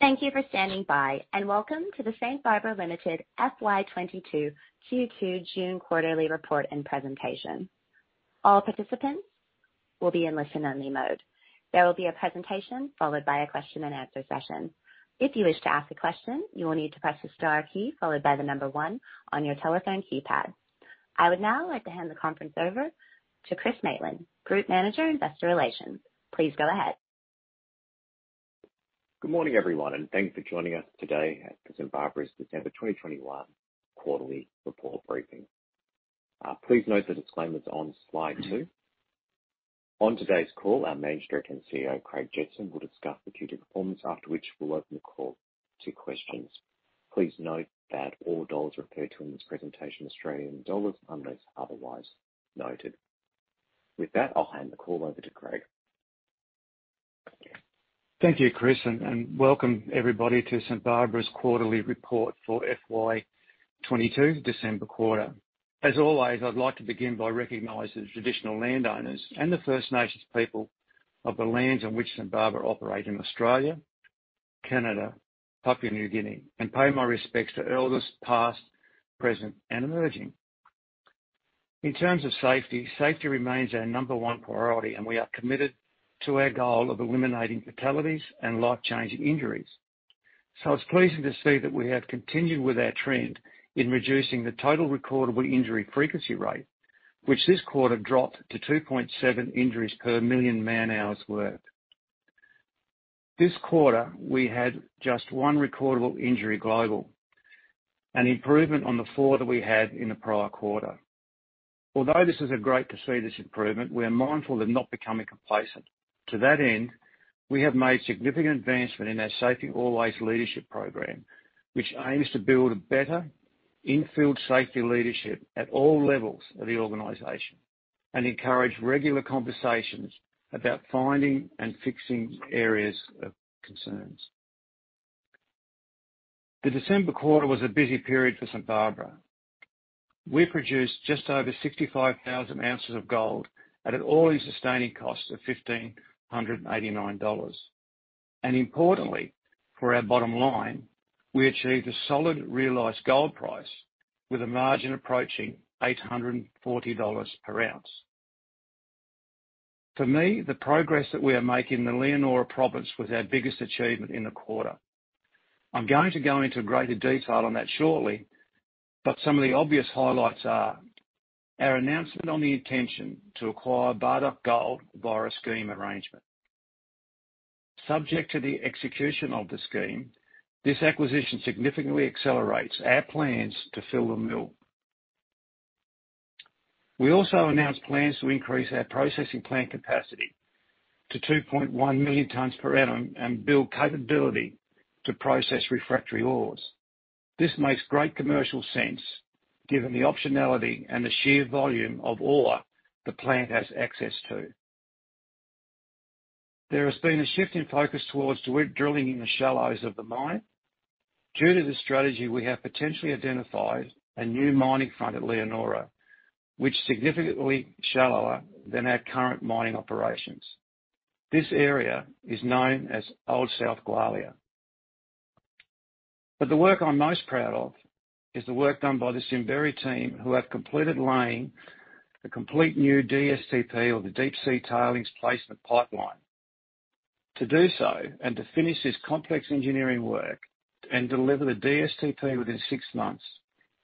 Thank you for standing by, and welcome to the St Barbara Limited FY 2022 Q2 June quarterly report and presentation. All participants will be in listen-only mode. There will be a presentation followed by a question and answer session. If you wish to ask a question, you will need to press the star key followed by the number one on your telephone keypad. I would now like to hand the conference over to Chris Maitland, Group Manager, Investor Relations. Please go ahead. Good morning, everyone, and thanks for joining us today at St. Barbara's December 2021 quarterly report briefing. Please note the disclaimers on Slide 2. On today's call, our Managing Director and CEO, Craig Jetson, will discuss the Q2 performance, after which we'll open the call to questions. Please note that all dollars referred to in this presentation are Australian dollars unless otherwise noted. With that, I'll hand the call over to Craig. Thank you, Chris, and welcome everybody to St Barbara's quarterly report for FY 2022 December quarter. As always, I'd like to begin by recognizing the traditional landowners and the First Nations people of the lands on which St Barbara operate in Australia, Canada, Papua New Guinea, and pay my respects to elders past, present, and emerging. In terms of safety remains our number one priority, and we are committed to our goal of eliminating fatalities and life-changing injuries. It's pleasing to see that we have continued with our trend in reducing the total recordable injury frequency rate, which this quarter dropped to 2.7 injuries per million man-hours worked. This quarter, we had just one recordable injury global, an improvement on the 4 that we had in the prior quarter. Although this is great to see this improvement, we're mindful of not becoming complacent. To that end, we have made significant advancement in our Safety Always Leadership program, which aims to build a better in-field safety leadership at all levels of the organization and encourage regular conversations about finding and fixing areas of concerns. The December quarter was a busy period for St. Barb. We produced just over 65,000 ounces of gold at an all-in sustaining cost of 1,589 dollars. Importantly, for our bottom line, we achieved a solid realized gold price with a margin approaching 840 dollars per ounce. For me, the progress that we are making in the Leonora Province was our biggest achievement in the quarter. I'm going to go into greater detail on that shortly, but some of the obvious highlights are our announcement on the intention to acquire Bardoc Gold via a scheme arrangement. Subject to the execution of the scheme, this acquisition significantly accelerates our plans to fill the mill. We also announced plans to increase our processing plant capacity to 2.1 million tons per annum and build capability to process refractory ores. This makes great commercial sense given the optionality and the sheer volume of ore the plant has access to. There has been a shift in focus towards drilling in the shallows of the mine. Due to this strategy, we have potentially identified a new mining front at Leonora, which is significantly shallower than our current mining operations. This area is known as Old South Gwalia. The work I'm most proud of is the work done by the Simberi team, who have completed laying the complete new DSTP or the Deep Sea Tailings Placement pipeline. To do so and to finish this complex engineering work and deliver the DSTP within six months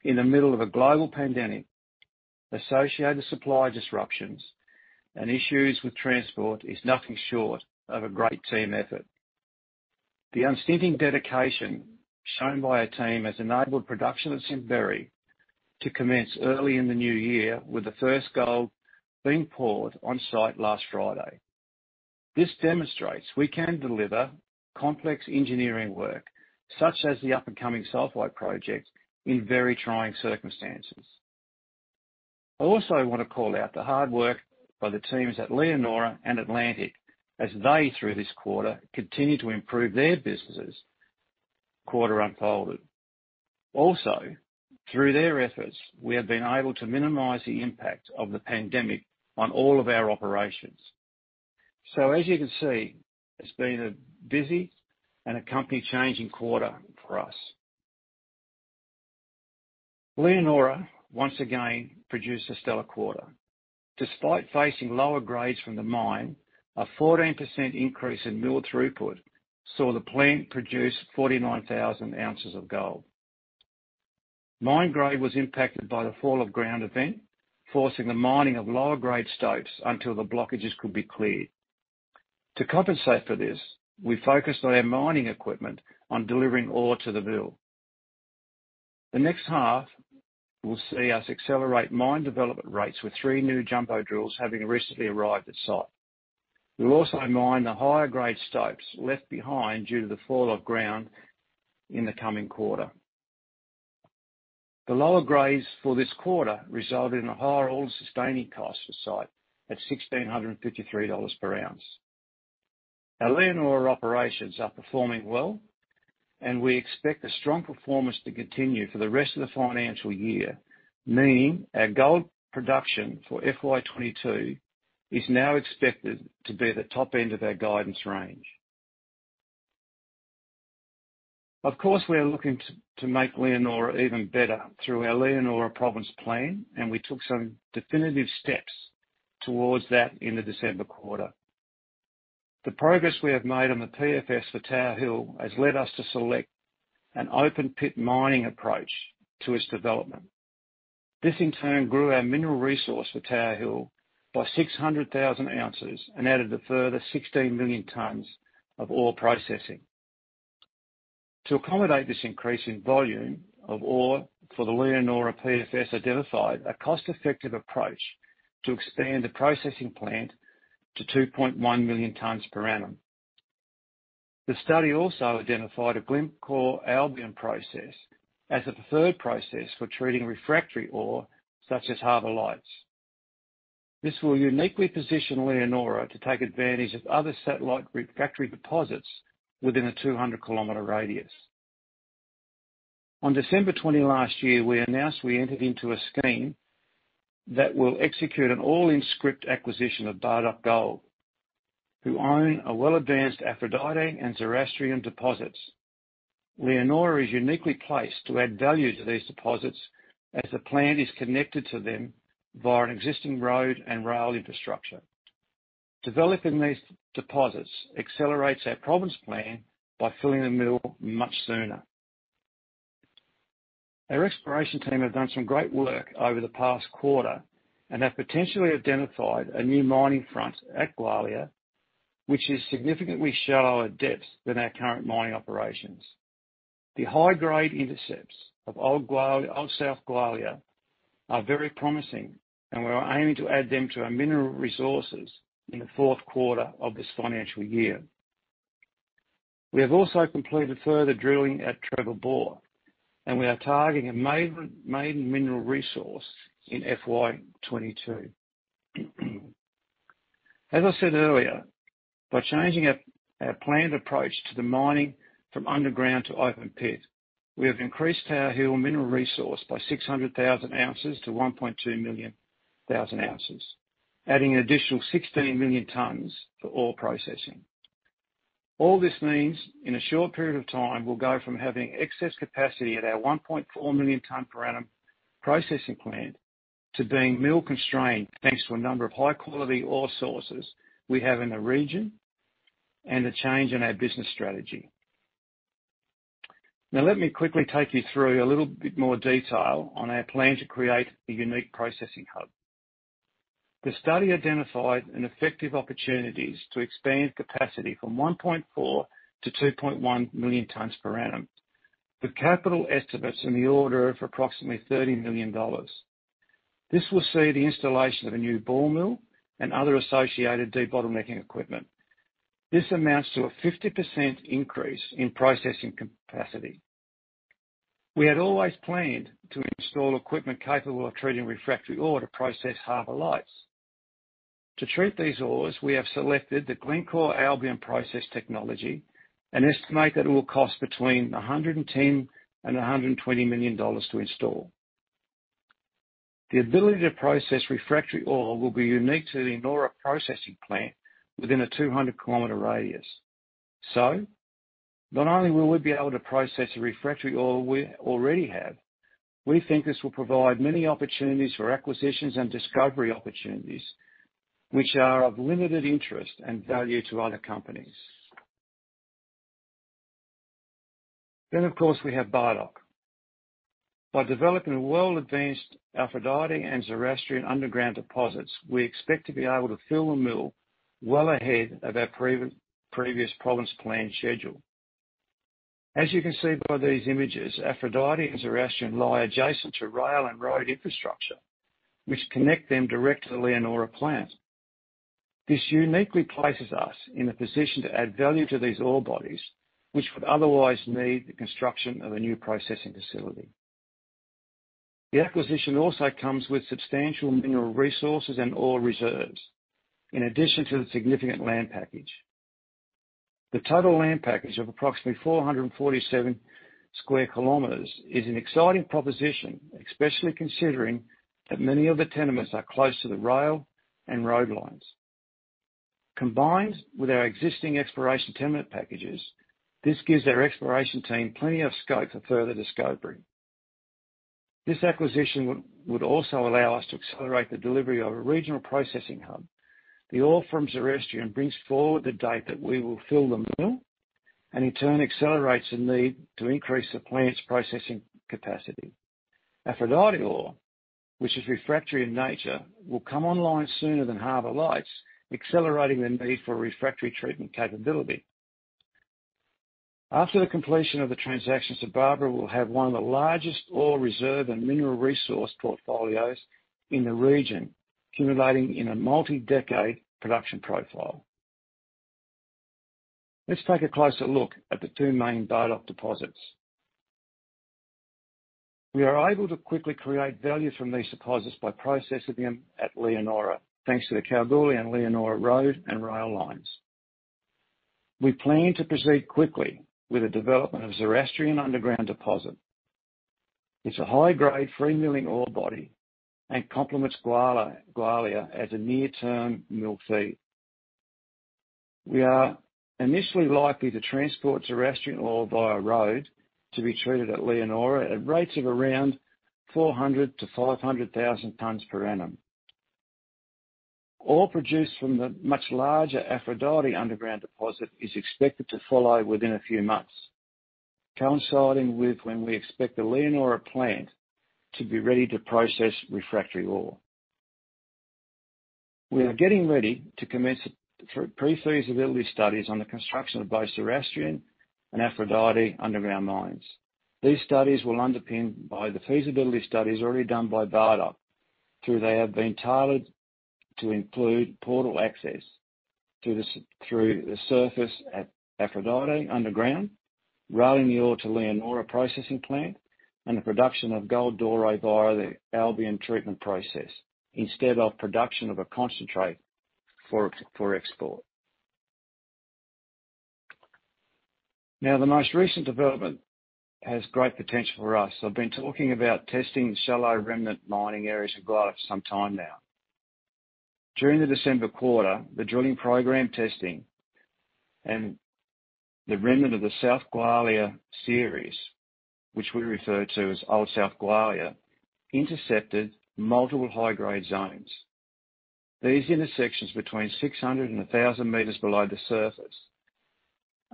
in the middle of a global pandemic, associated supply disruptions, and issues with transport is nothing short of a great team effort. The unstinting dedication shown by our team has enabled production at Simberi to commence early in the new year with the first gold being poured on-site last Friday. This demonstrates we can deliver complex engineering work, such as the up-and-coming Sulphide project, in very trying circumstances. I also wanna call out the hard work by the teams at Leonora and Atlantic as they, through this quarter, continued to improve their businesses as the quarter unfolded. Also, through their efforts, we have been able to minimize the impact of the pandemic on all of our operations. As you can see, it's been a busy and a company-changing quarter for us. Leonora, once again, produced a stellar quarter. Despite facing lower grades from the mine, a 14% increase in mill throughput saw the plant produce 49,000 ounces of gold. Mine grade was impacted by the fall of ground event, forcing the mining of lower grade stopes until the blockages could be cleared. To compensate for this, we focused on our mining equipment on delivering ore to the mill. The next half will see us accelerate mine development rates with 3 new jumbo drills having recently arrived at site. We'll also mine the higher grade stopes left behind due to the fall of ground in the coming quarter. The lower grades for this quarter resulted in a higher all-in sustaining cost for site at $1,653 per ounce. Our Leonora operations are performing well. We expect a strong performance to continue for the rest of the financial year, meaning our gold production for FY 2022 is now expected to be at the top end of our guidance range. Of course, we are looking to make Leonora even better through our Leonora Province Plan, and we took some definitive steps towards that in the December quarter. The progress we have made on the PFS for Tower Hill has led us to select an open-pit mining approach to its development. This, in turn, grew our mineral resource for Tower Hill by 600,000 ounces and added a further 16 million tons of ore processing. To accommodate this increase in volume of ore for the Leonora PFS identified a cost-effective approach to expand the processing plant to 2.1 million tons per annum. The study also identified a Glencore Albion Process as a preferred process for treating refractory ore such as Harbor Lights. This will uniquely position Leonora to take advantage of other satellite refractory deposits within a 200-kilometer radius. On December 20 last year, we announced we entered into a scheme that will execute an all-scrip acquisition of Bardoc Gold, who own a well-advanced Aphrodite and Zoroastrian deposits. Leonora is uniquely placed to add value to these deposits as the plant is connected to them via an existing road and rail infrastructure. Developing these deposits accelerates our Province Plan by filling the mill much sooner. Our exploration team have done some great work over the past quarter and have potentially identified a new mining front at Gwalia, which is significantly shallower depth than our current mining operations. The high-grade intercepts of South Gwalia are very promising, and we are aiming to add them to our mineral resources in the fourth quarter of this financial year. We have also completed further drilling at Trevor Bore, and we are targeting a maiden mineral resource in FY 2022. As I said earlier, by changing our planned approach to the mining from underground to open pit, we have increased Tower Hill mineral resource by 600,000 ounces to 1.2 million ounces, adding an additional 16 million tons for ore processing. All this means, in a short period of time, we'll go from having excess capacity at our 1.4 million ton per annum processing plant to being mill-constrained, thanks to a number of high-quality ore sources we have in the region and a change in our business strategy. Now, let me quickly take you through a little bit more detail on our plan to create a unique processing hub. The study identified effective opportunities to expand capacity from per annum, with capital estimates in the order of approximately 30 million dollars. This will see the installation of a new ball mill and other associated debottlenecking equipment. This amounts to a 50% increase in processing capacity. We had always planned to install equipment capable of treating refractory ore to process Harbor Lights. To treat these ores, we have selected the Glencore Albion Process technology, with an estimate that it will cost between 110 million and 120 million dollars to install. The ability to process refractory ore will be unique to the Leonora processing plant within a 200-kilometer radius. Not only will we be able to process the refractory ore we already have, we think this will provide many opportunities for acquisitions and discovery opportunities which are of limited interest and value to other companies. Of course, we have Bardoc. By developing a well-advanced Aphrodite and Zoroastrian underground deposits, we expect to be able to fill the mill well ahead of our previous Province Plan schedule. As you can see by these images, Aphrodite and Zoroastrian lie adjacent to rail and road infrastructure, which connect them directly to the Leonora plant. This uniquely places us in a position to add value to these ore bodies, which would otherwise need the construction of a new processing facility. The acquisition also comes with substantial mineral resources and ore reserves, in addition to the significant land package. The total land package of approximately 447 sq km is an exciting proposition, especially considering that many of the tenements are close to the rail and road lines. Combined with our existing exploration tenement packages, this gives our exploration team plenty of scope for further discovery. This acquisition would also allow us to accelerate the delivery of a regional processing hub. The ore from Zoroastrian brings forward the date that we will fill the mill and, in turn, accelerates the need to increase the plant's processing capacity. Aphrodite ore, which is refractory in nature, will come online sooner than Harbor Lights, accelerating the need for refractory treatment capability. After the completion of the transaction, St Barbara will have one of the largest ore reserve and mineral resource portfolios in the region, culminating in a multi-decade production profile. Let's take a closer look at the two main Bardoc deposits. We are able to quickly create value from these deposits by processing them at Leonora, thanks to the Kalgoorlie and Leonora road and rail lines. We plan to proceed quickly with the development of Zoroastrian underground deposit. It's a high-grade free milling ore body and complements Gwalia as a near-term mill feed. We are initially likely to transport Zoroastrian ore via road to be treated at Leonora at rates of around 400,000-500,000 tons per annum. Ore produced from the much larger Aphrodite underground deposit is expected to follow within a few months, coinciding with when we expect the Leonora plant to be ready to process refractory ore. We are getting ready to commence pre-feasibility studies on the construction of both Zoroastrian and Aphrodite underground mines. These studies will underpin the feasibility studies already done by Bardoc though they have been tailored to include portal access through the surface at Aphrodite underground, railing the ore to Leonora processing plant, and the production of gold via the Albion Process instead of production of a concentrate for export. Now, the most recent development has great potential for us. I've been talking about testing shallow remnant mining areas of Gwalia for some time now. During the December quarter, the drilling program testing the remnant of the South Gwalia series, which we refer to as Old South Gwalia, intercepted multiple high-grade zones. These intersections between 600 and 1,000 meters below the surface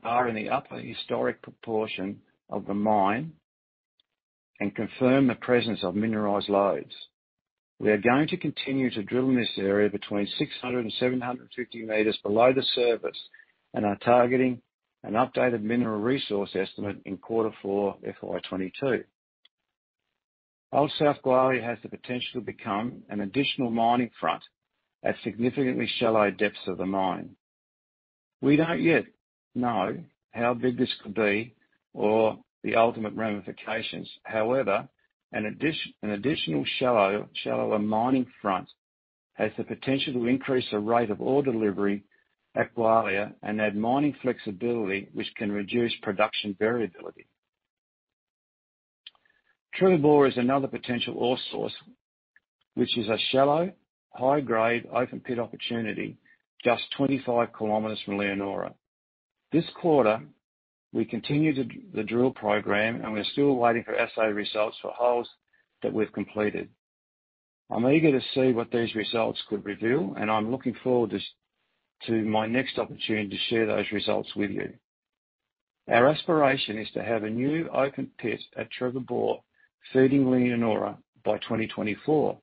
are in the upper historic portion of the mine and confirm the presence of mineralized lodes. We are going to continue to drill in this area between 600 and 750 meters below the surface and are targeting an updated mineral resource estimate in quarter four, FY 2022. Old South Gwalia has the potential to become an additional mining front at significantly shallow depths of the mine. We don't yet know how big this could be or the ultimate ramifications. However, an additional shallow, shallower mining front has the potential to increase the rate of ore delivery at Gwalia and add mining flexibility, which can reduce production variability. Trevor Bore is another potential ore source, which is a shallow, high-grade open pit opportunity just 25 kilometers from Leonora. This quarter, we continued the drill program, and we're still waiting for assay results for holes that we've completed. I'm eager to see what these results could reveal, and I'm looking forward to my next opportunity to share those results with you. Our aspiration is to have a new open pit at Trevor Bore feeding Leonora by 2024.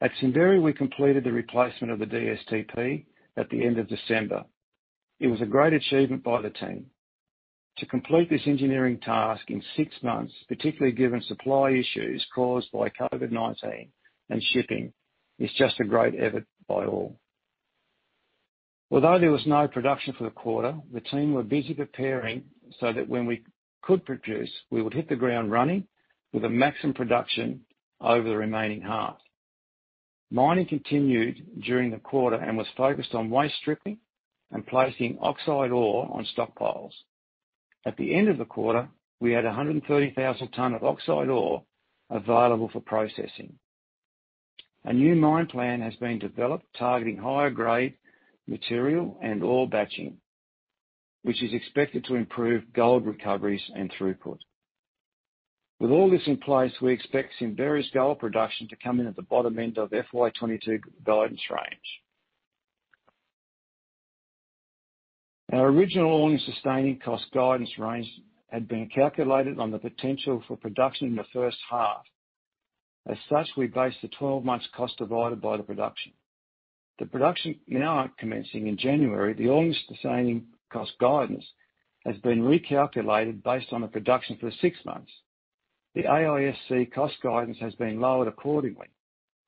At Simberi, we completed the replacement of the DSTP at the end of December. It was a great achievement by the team. To complete this engineering task in six months, particularly given supply issues caused by COVID-19 and shipping, is just a great effort by all. Although there was no production for the quarter, the team were busy preparing so that when we could produce, we would hit the ground running with a maximum production over the remaining half. Mining continued during the quarter and was focused on waste stripping and placing oxide ore on stockpiles. At the end of the quarter, we had 130,000 tons of oxide ore available for processing. A new mine plan has been developed targeting higher grade material and ore batching, which is expected to improve gold recoveries and throughput. With all this in place, we expect Simberi's gold production to come in at the bottom end of FY 2022 guidance range. Our original all-in-sustaining cost guidance range had been calculated on the potential for production in the H1. As such, we based the 12 months cost divided by the production. The production now commencing in January, the all-in-sustaining cost guidance has been recalculated based on the production for 6 months. The AISC cost guidance has been lowered accordingly.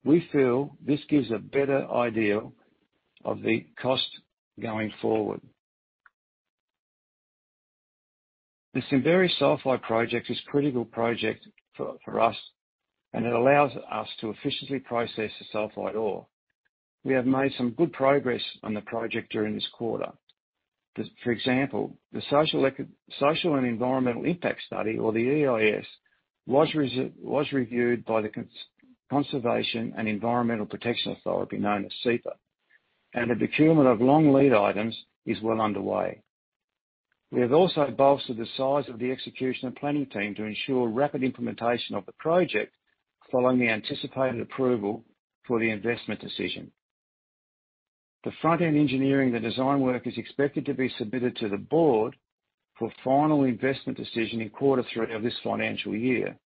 We feel this gives a better idea of the cost going forward. The Simberi Sulphide project is critical project for us, and it allows us to efficiently process the Sulphide ore. We have made some good progress on the project during this quarter. For example, the social and environmental impact study or the EIS was reviewed by the Conservation and Environment Protection Authority, known as CEPA, and the procurement of long lead items is well underway. We have also bolstered the size of the execution and planning team to ensure rapid implementation of the project following the anticipated approval for the investment decision. The front-end engineering, the design work is expected to be submitted to the board for final investment decision in quarter three of this financial year.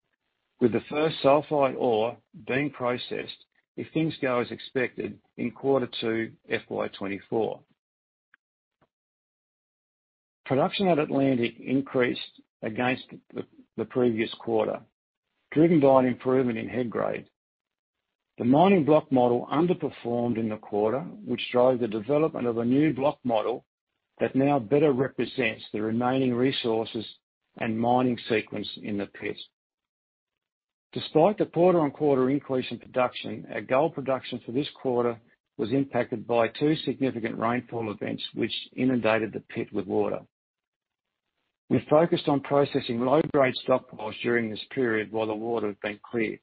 With the first Sulphide ore being processed, if things go as expected, in quarter two, FY 2024. Production at Atlantic increased against the previous quarter, driven by an improvement in head grade. The mining block model underperformed in the quarter, which drove the development of a new block model that now better represents the remaining resources and mining sequence in the pits. Despite the quarter-on-quarter increase in production, our gold production for this quarter was impacted by two significant rainfall events which inundated the pit with water. We focused on processing low-grade stockpiles during this period while the water was being cleared.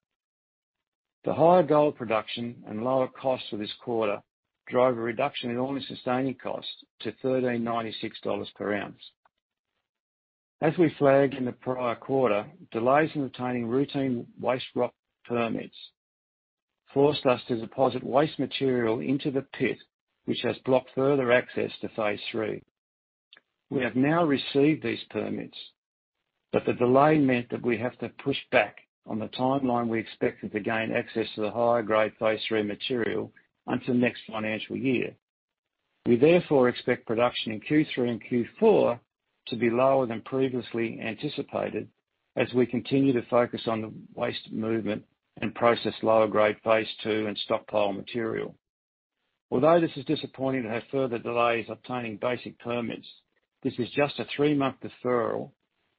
The higher gold production and lower costs for this quarter drove a reduction in all-in sustaining costs to $1,396 per ounce. As we flagged in the prior quarter, delays in obtaining routine waste rock permits forced us to deposit waste material into the pit, which has blocked further access to phase three. We have now received these permits, but the delay meant that we have to push back on the timeline we expected to gain access to the higher grade phase three material until next financial year. We therefore expect production in Q3 and Q4 to be lower than previously anticipated as we continue to focus on the waste movement and process lower grade phase two and stockpile material. Although this is disappointing to have further delays obtaining basic permits, this is just a 3-month deferral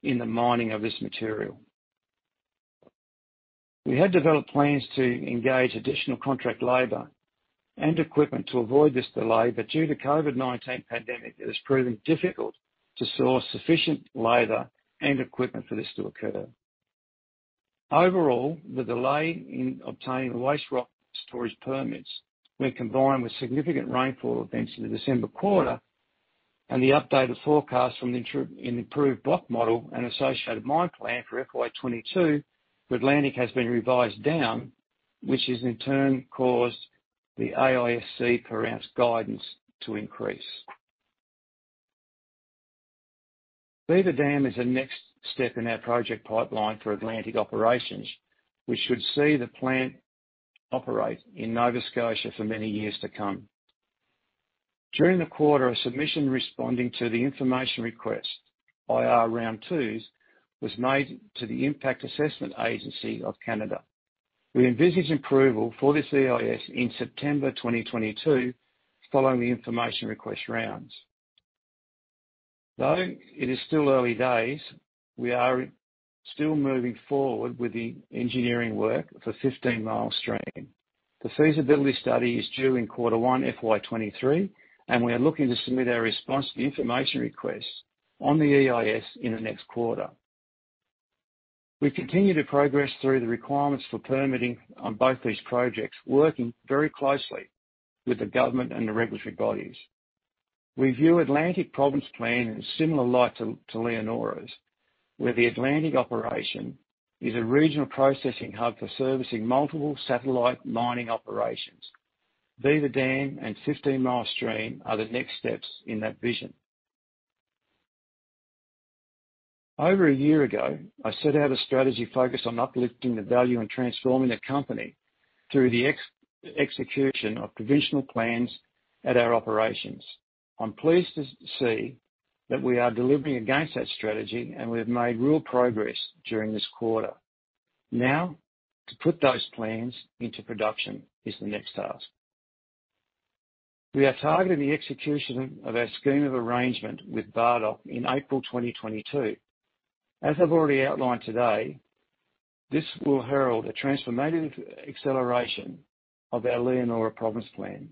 in the mining of this material. We had developed plans to engage additional contract labor and equipment to avoid this delay. Due to COVID-19 pandemic, it has proven difficult to source sufficient labor and equipment for this to occur. Overall, the delay in obtaining the waste rock storage permits when combined with significant rainfall events in the December quarter and the updated forecast from an improved block model and associated mine plan for FY 2022, the Atlantic has been revised down, which has in turn caused the AISC per ounce guidance to increase. Beaver Dam is the next step in our project pipeline for Atlantic operations, which should see the plant operate in Nova Scotia for many years to come. During the quarter, a submission responding to the information request, IR round two, was made to the Impact Assessment Agency of Canada. We envisage approval for this EIS in September 2022 following the information request rounds. Though it is still early days, we are still moving forward with the engineering work for Fifteen Mile Stream. The feasibility study is due in quarter one FY 2023, and we are looking to submit our response to the information request on the EIS in the next quarter. We continue to progress through the requirements for permitting on both these projects, working very closely with the government and the regulatory bodies. We view Atlantic Province Plan in a similar light to Leonora's, where the Atlantic operation is a regional processing hub for servicing multiple satellite mining operations. Beaver Dam and Fifteen Mile Stream are the next steps in that vision. Over a year ago, I set out a strategy focused on uplifting the value and transforming the company through the execution of provisional plans at our operations. I'm pleased to see that we are delivering against that strategy, and we have made real progress during this quarter. Now, to put those plans into production is the next task. We are targeting the execution of our scheme of arrangement with Bardoc in April 2022. As I've already outlined today, this will herald a transformative acceleration of our Leonora Province Plan.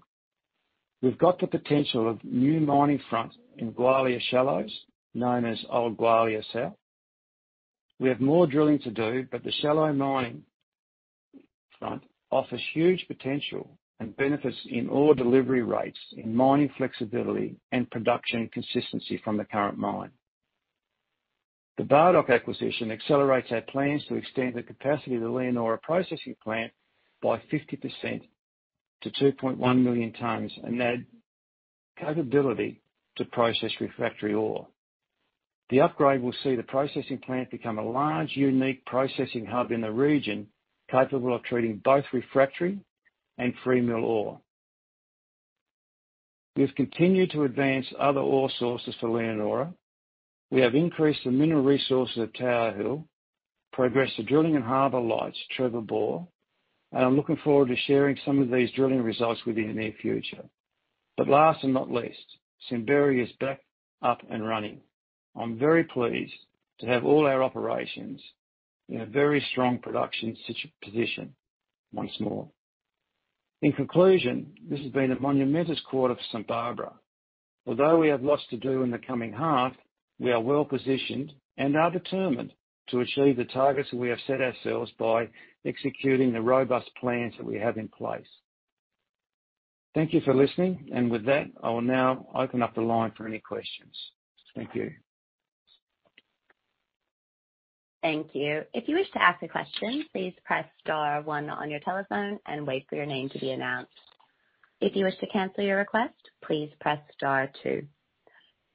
We've got the potential of new mining front in Gwalia Shallows, known as Old Gwalia South. We have more drilling to do, but the shallow mining front offers huge potential and benefits in ore delivery rates, in mining flexibility, and production consistency from the current mine. The Bardoc acquisition accelerates our plans to extend the capacity of the Leonora processing plant by 50% to 2.1 million tons and add capability to process refractory ore. The upgrade will see the processing plant become a large, unique processing hub in the region, capable of treating both refractory and free mill ore. We've continued to advance other ore sources for Leonora. We have increased the mineral resources at Tower Hill, progressed the drilling in Harbor Lights, Trevor Bore, and I'm looking forward to sharing some of these drilling results with you in the near future. Last and not least, Simberi is back up and running. I'm very pleased to have all our operations in a very strong production position once more. In conclusion, this has been a momentous quarter for St. Barbara. Although we have lots to do in the coming half, we are well-positioned and are determined to achieve the targets that we have set ourselves by executing the robust plans that we have in place. Thank you for listening. With that, I will now open up the line for any questions. Thank you. Thank you. If you wish to ask a question, please press star one on your telephone and wait for your name to be announced. If you wish to cancel your request, please press star two.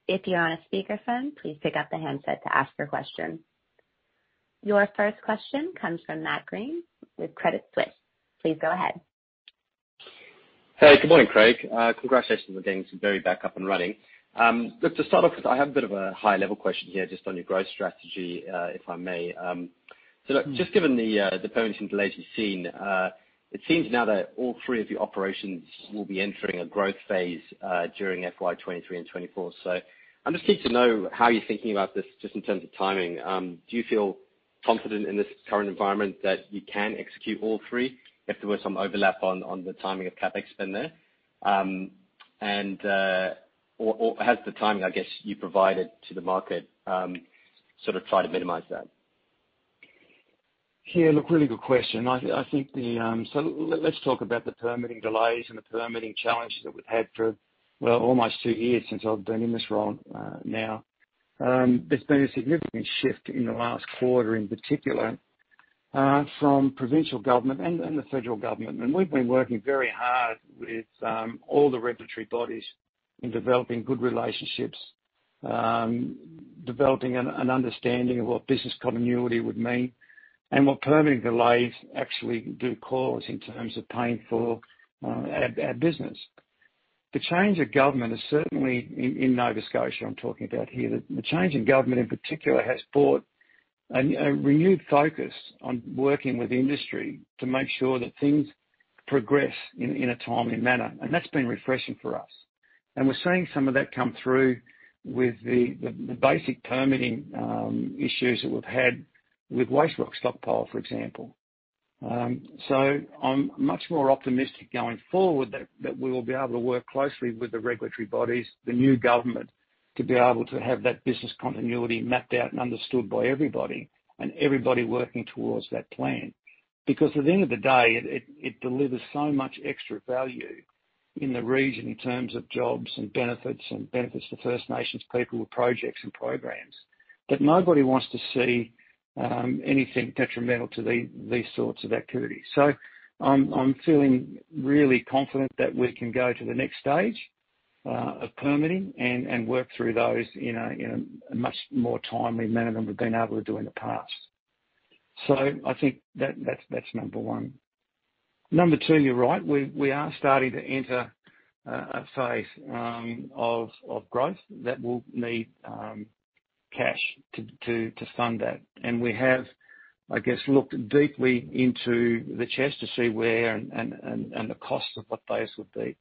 If you're on a speakerphone, please pick up the handset to ask your question. Your first question comes from Matt Greene with Credit Suisse. Please go ahead. Hey, good morning, Craig. Congratulations on getting Simberi back up and running. Look, to start off, because I have a bit of a high-level question here just on your growth strategy, if I may. Look, just given the permitting delays you've seen, it seems now that all three of your operations will be entering a growth phase during FY 2023 and 2024. I'm just keen to know how you're thinking about this just in terms of timing. Do you feel confident in this current environment that you can execute all three if there was some overlap on the timing of CapEx spend there? Or has the timing, I guess, you provided to the market, sort of try to minimize that? Yeah, look, really good question. Let's talk about the permitting delays and the permitting challenge that we've had for, well, almost two years since I've been in this role, now. There's been a significant shift in the last quarter, in particular, from provincial government and the federal government. We've been working very hard with all the regulatory bodies in developing good relationships, developing an understanding of what business continuity would mean and what permitting delays actually do cause in terms of pain for our business. The change of government is certainly in Nova Scotia, I'm talking about here. The change in government, in particular, has brought a renewed focus on working with industry to make sure that things progress in a timely manner. That's been refreshing for us. We're seeing some of that come through with the basic permitting issues that we've had with waste rock stockpile, for example. I'm much more optimistic going forward that we will be able to work closely with the regulatory bodies, the new government, to be able to have that business continuity mapped out and understood by everybody and everybody working towards that plan. Because at the end of the day, it delivers so much extra value in the region in terms of jobs and benefits for First Nations people with projects and programs, that nobody wants to see anything detrimental to these sorts of activities. I'm feeling really confident that we can go to the next stage of permitting and work through those in a much more timely manner than we've been able to do in the past. I think that's number one. Number two, you're right. We are starting to enter a phase of growth that will need cash to fund that. We have looked deeply into the chest to see where and the cost of what those would be.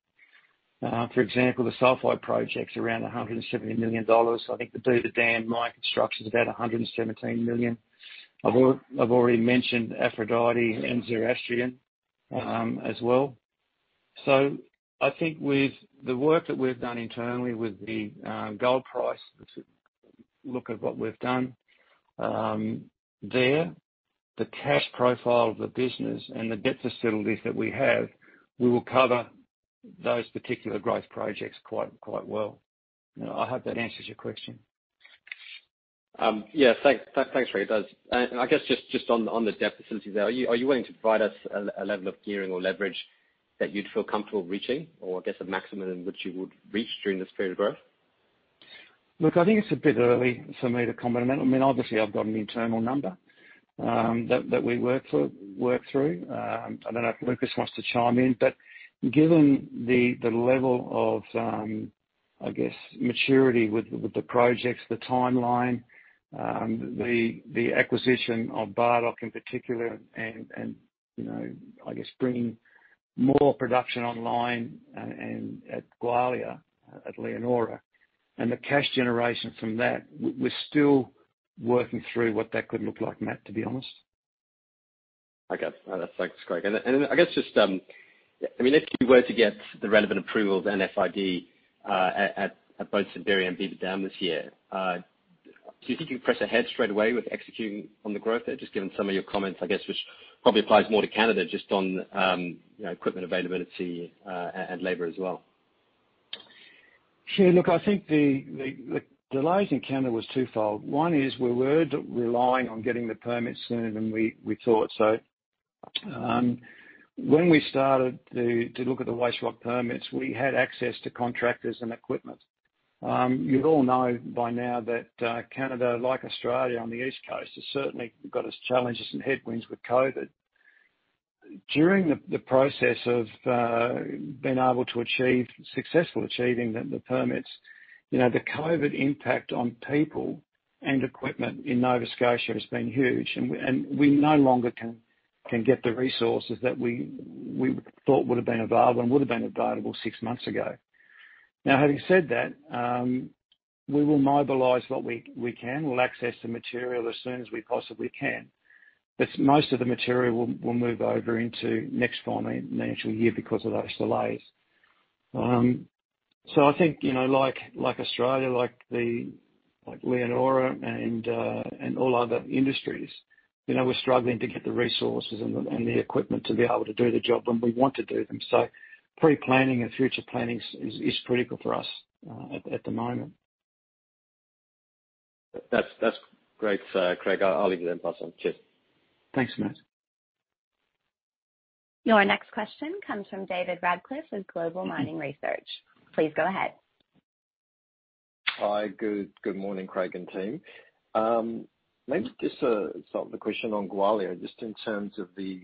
For example, the Sulphide project's around 170 million dollars. I think the Beaver Dam mine construction is about 117 million. I've already mentioned Aphrodite and Zoroastrian as well. I think with the work that we've done internally with the gold price, look at what we've done there, the cash profile of the business and the debt facilities that we have, we will cover those particular growth projects quite well. You know, I hope that answers your question. Yeah. Thanks, Craig. It does. I guess just on the debt facilities, are you willing to provide us a level of gearing or leverage that you'd feel comfortable reaching, or I guess a maximum in which you would reach during this period of growth? Look, I think it's a bit early for me to comment on that. I mean, obviously I've got an internal number, that we work through. I don't know if Lucas wants to chime in. Given the level of, I guess, maturity with the projects, the timeline, the acquisition of Bardoc in particular and, you know, I guess bringing more production online and at Gwalia, at Leonora, and the cash generation from that, we're still working through what that could look like, Matt, to be honest. Okay. Thanks, Craig. I guess just, I mean, if you were to get the relevant approval of an FID at both Simberi and Beaver Dam this year, do you think you can press ahead straight away with executing on the growth there, just given some of your comments, I guess, which probably applies more to Canada, just on, you know, equipment availability, and labor as well? Sure. Look, I think the delays in Canada was twofold. One is we were relying on getting the permits sooner than we thought. When we started to look at the waste rock permits, we had access to contractors and equipment. You all know by now that Canada, like Australia on the East Coast, has certainly got its challenges and headwinds with COVID. During the process of successfully achieving the permits, you know, the COVID impact on people and equipment in Nova Scotia has been huge. We no longer can get the resources that we thought would have been available six months ago. Now, having said that, we will mobilize what we can. We'll access the material as soon as we possibly can. Most of the material will move over into next financial year because of those delays. I think, you know, like Australia, like the, like Leonora and all other industries, you know, we're struggling to get the resources and the equipment to be able to do the job when we want to do them. Pre-planning and future planning is critical for us at the moment. That's great, Craig. I'll leave it then. Cheers. Thanks, Matt. Your next question comes from David Radclyffe with Global Mining Research. Please go ahead. Hi. Good morning, Craig and team. Maybe just start with a question on Gwalia, just in terms of the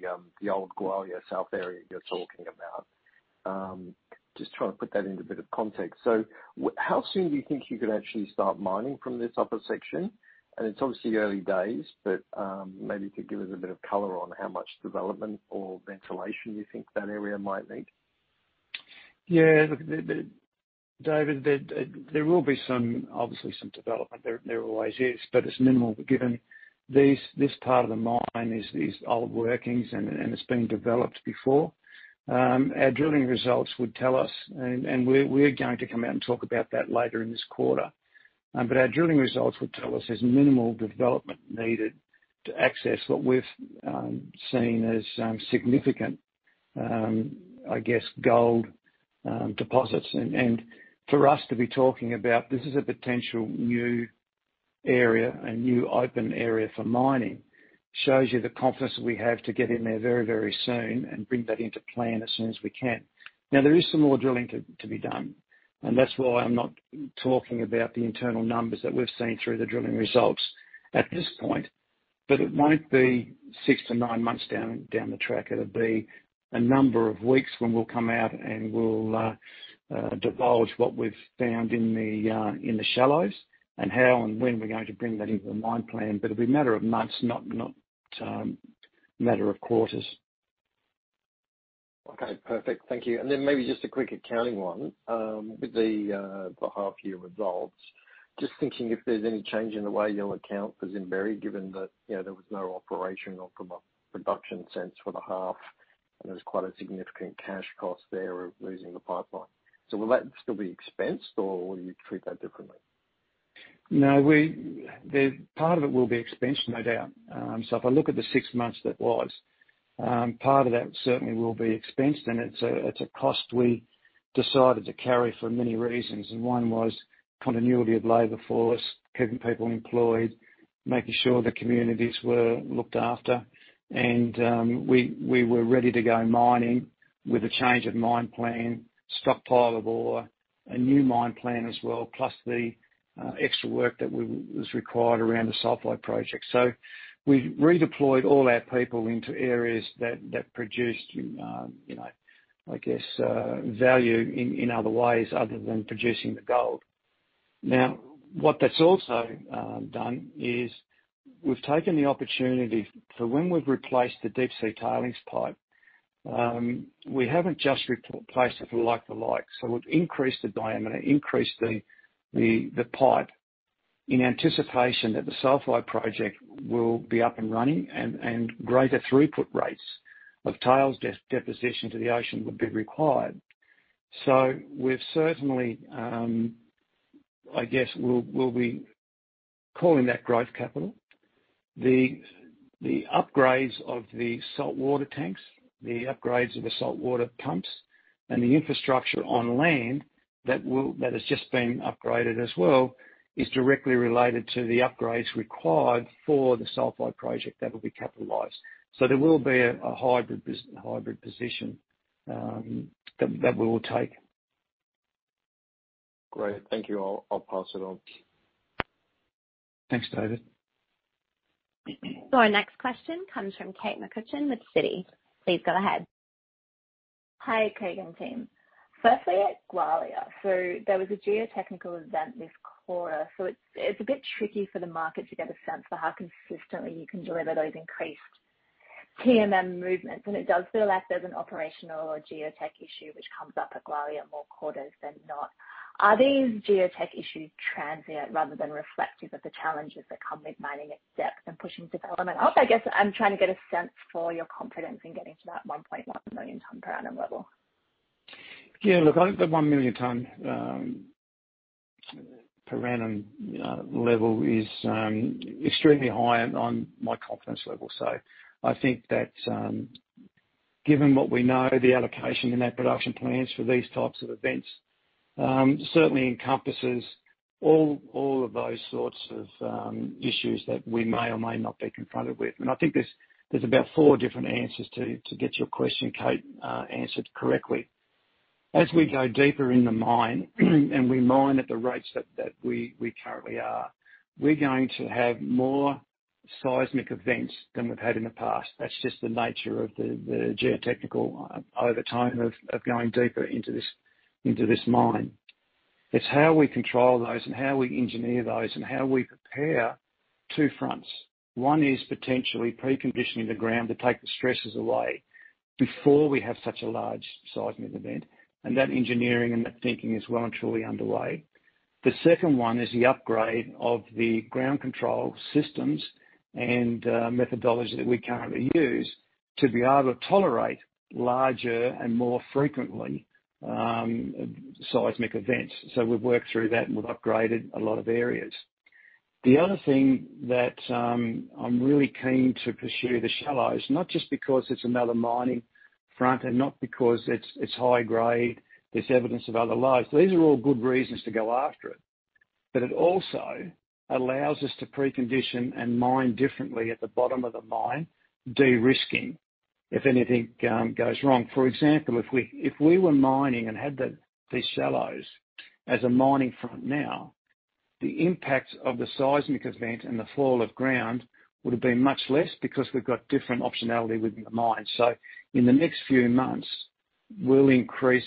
old Gwalia South area you're talking about. Just trying to put that into a bit of context. How soon do you think you could actually start mining from this upper section? It's obviously early days, but maybe you could give us a bit of color on how much development or ventilation you think that area might need. Yeah. Look, David, there will be some, obviously, some development there. There always is, but it's minimal, given this part of the mine is old workings and it's been developed before. Our drilling results would tell us, and we're going to come out and talk about that later in this quarter. But our drilling results would tell us there's minimal development needed to access what we've seen as significant, I guess, gold deposits. For us to be talking about this as a potential new area, a new open area for mining shows you the confidence we have to get in there very soon and bring that into plan as soon as we can. Now, there is some more drilling to be done, and that's why I'm not talking about the internal numbers that we've seen through the drilling results at this point. It won't be 6-9 months down the track. It'll be a number of weeks when we'll come out and we'll divulge what we've found in the shallows and how and when we're going to bring that into the mine plan. It'll be a matter of months, not matter of quarters. Okay. Perfect. Thank you. Then maybe just a quick accounting one. With the half year results, just thinking if there's any change in the way you'll account for Simberi, given that, you know, there was no operation or pre-production in the half, and there's quite a significant cash cost there of losing the pipeline. Will that still be expensed or will you treat that differently? No, part of it will be expensed, no doubt. If I look at the six months that was part of that certainly will be expensed and it's a cost we decided to carry for many reasons, and one was continuity of labor for us, keeping people employed, making sure the communities were looked after. We were ready to go mining with a change of mine plan, stockpile of ore, a new mine plan as well, plus the extra work that was required around the Sulphide project. We redeployed all our people into areas that produced, you know, I guess, value in other ways other than producing the gold. Now, what that's also done is we've taken the opportunity for when we've replaced the deep-sea tailings pipe, we haven't just replaced it like-for-like. We've increased the diameter, increased the pipe in anticipation that the sulphide project will be up and running and greater throughput rates of tailings deposition to the ocean would be required. We've certainly, I guess, we'll be calling that growth capital. The upgrades of the saltwater tanks, the upgrades of the saltwater pumps, and the infrastructure on land that has just been upgraded as well is directly related to the upgrades required for the sulphide project that will be capitalized. There will be a hybrid position that we will take. Great. Thank you. I'll pass it on. Thanks, David. Our next question comes from Kate McCutcheon with Citi. Please go ahead. Hi, Craig and team. Firstly, at Gwalia. There was a geotechnical event this quarter, it's a bit tricky for the market to get a sense for how consistently you can deliver those increased TMM movements. It does feel like there's an operational or geotech issue which comes up at Gwalia more quarters than not. Are these geotech issues transient rather than reflective of the challenges that come with mining at depth and pushing development up? I guess I'm trying to get a sense for your confidence in getting to that 1.1 million ton per annum level. Yeah. Look, I think the one million ton per annum level is extremely high on my confidence level. I think that given what we know, the allocation in our production plans for these types of events certainly encompasses all of those sorts of issues that we may or may not be confronted with. I think there's about four different answers to get your question, Kate, answered correctly. As we go deeper in the mine and we mine at the rates that we currently are, we're going to have more seismic events than we've had in the past. That's just the nature of the geotechnical over time of going deeper into this mine. It's how we control those and how we engineer those and how we prepare two fronts. One is potentially preconditioning the ground to take the stresses away before we have such a large seismic event. That engineering and that thinking is well and truly underway. The second one is the upgrade of the ground control systems and, methodology that we currently use to be able to tolerate larger and more frequently seismic events. We've worked through that and we've upgraded a lot of areas. The other thing that, I'm really keen to pursue the shallows, not just because it's another mining front and not because it's high grade, there's evidence of other lodes. These are all good reasons to go after it. It also allows us to precondition and mine differently at the bottom of the mine, de-risking if anything goes wrong. For example, if we were mining and had these Shallows as a mining front now, the impact of the seismic event and the fall of ground would have been much less because we've got different optionality within the mine. In the next few months, we'll increase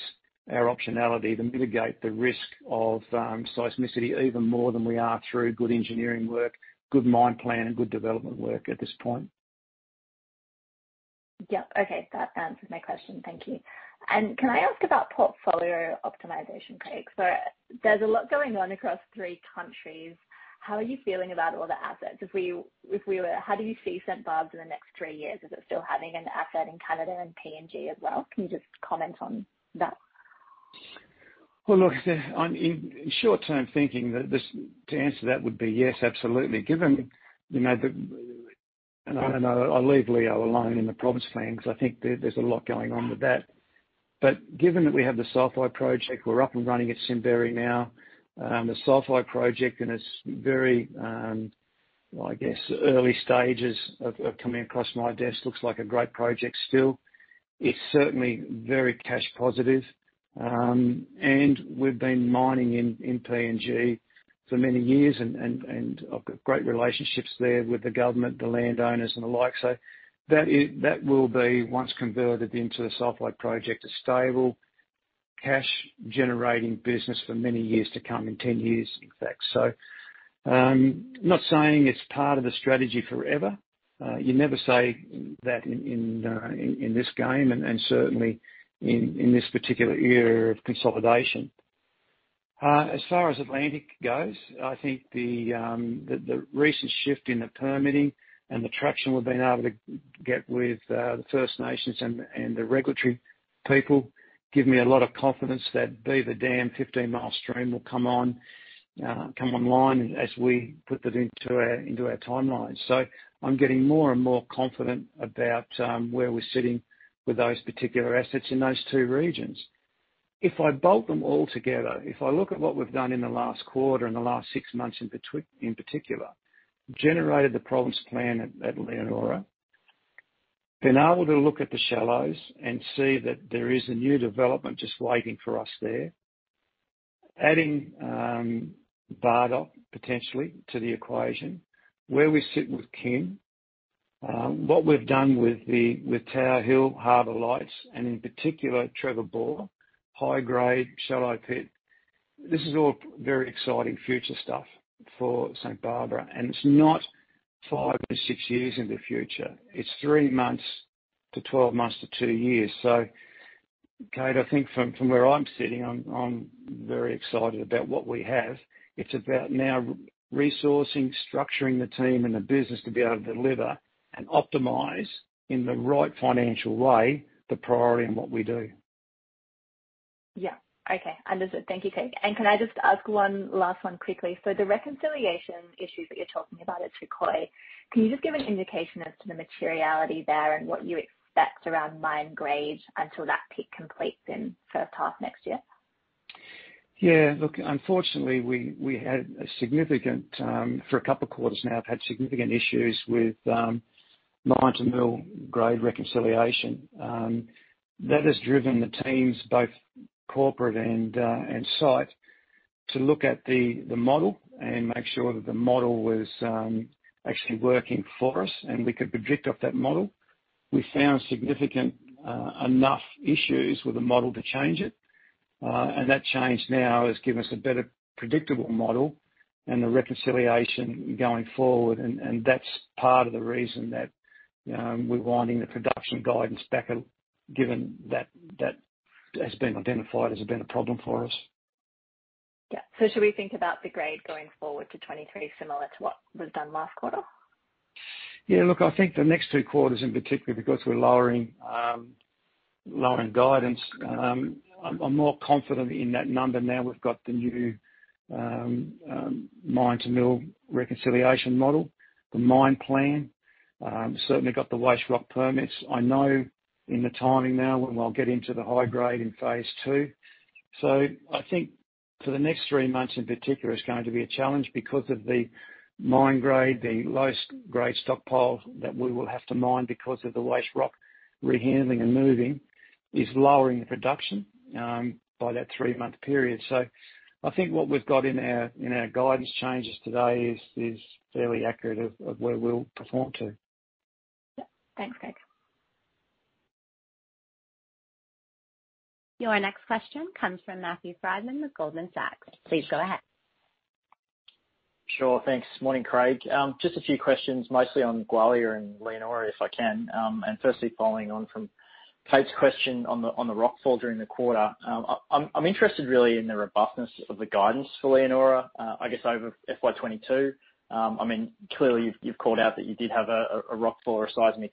our optionality to mitigate the risk of seismicity even more than we are through good engineering work, good mine plan, and good development work at this point. Yeah. Okay. That answers my question. Thank you. Can I ask about portfolio optimization, Craig? There's a lot going on across three countries. How are you feeling about all the assets? How do you see St. Barb in the next three years? Is it still having an asset in Canada and PNG as well? Can you just comment on that? Well, look, in short-term thinking, to answer that would be yes, absolutely. Given, you know, I don't know, I'll leave the Leonora Province Plan alone because I think there's a lot going on with that. Given that we have the Sulphide project, we're up and running at Simberi now. The Sulphide project in its very, I guess, early stages of coming across my desk, looks like a great project still. It's certainly very cash positive. We've been mining in PNG for many years and I've got great relationships there with the government, the landowners and the like. That will be, once converted into a Sulphide project, a stable cash-generating business for many years to come, in ten years, in fact. Not saying it's part of the strategy forever. You never say that in this game and certainly in this particular era of consolidation. As far as Atlantic goes, I think the recent shift in the permitting and the traction we've been able to get with the First Nations and the regulatory people give me a lot of confidence that Beaver Dam, Fifteen Mile Stream will come online as we put that into our timeline. I'm getting more and more confident about where we're sitting with those particular assets in those two regions. If I bolt them all together, if I look at what we've done in the last quarter and the last six months, in particular generated the Province Plan at Leonora. been able to look at the Shallows and see that there is a new development just waiting for us there. Adding Bardoc potentially to the equation. Where we sit with Kim. What we've done with Tower Hill, Harbor Lights, and in particular, Trevor Bore, high-grade, shallow pit. This is all very exciting future stuff for St Barbara, and it's not 5 or 6 years in the future. It's 3 months to 12 months to 2 years. Kate, I think from where I'm sitting, I'm very excited about what we have. It's about now resourcing, structuring the team and the business to be able to deliver and optimize in the right financial way, the priority in what we do. Yeah. Okay. Understood. Thank you, Craig. Can I just ask one last one quickly? The reconciliation issues that you're talking about at Touquoy, can you just give an indication as to the materiality there and what you expect around mine grade until that pit completes in H1 next year? Yeah. Look, unfortunately, we have had significant issues for a couple of quarters now with mine-to-mill grade reconciliation. That has driven the teams, both corporate and site, to look at the model and make sure that the model was actually working for us, and we could predict off that model. We found significant enough issues with the model to change it. That change now has given us a better predictable model and the reconciliation going forward. That's part of the reason that we're winding the production guidance back up, given that has been identified as being a problem for us. Yeah. Should we think about the grade going forward to 23 similar to what was done last quarter? Yeah, look, I think the next two quarters in particular, because we're lowering guidance, I'm more confident in that number now we've got the new mine-to-mill reconciliation model, the mine plan. Certainly got the waste rock permits. I know the timing now, when I'll get into the high grade in phase two. I think for the next three months in particular, it's going to be a challenge because of the mine grade, the lowest grade stockpile that we will have to mine because of the waste rock rehandling and moving is lowering the production by that three-month period. I think what we've got in our guidance changes today is fairly accurate of where we'll perform to. Yeah. Thanks, Craig. Your next question comes from Matthew Frydman with Goldman Sachs. Please go ahead. Sure. Thanks. Morning, Craig. Just a few questions, mostly on Gwalia and Leonora, if I can. Firstly, following on from Kate's question on the rock fall during the quarter. I'm interested really in the robustness of the guidance for Leonora, I guess over FY 2022. I mean, clearly you've called out that you did have a rock fall or a seismic,